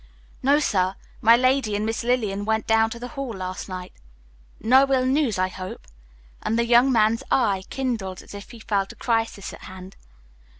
"No, sir, my lady and Miss Lillian went down to the Hall last night." "No ill news, I hope?" And the young man's eye kindled as if he felt a crisis at hand.